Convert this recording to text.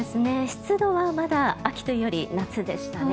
湿度はまだ秋というより夏でしたね。